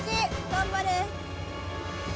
頑張れ！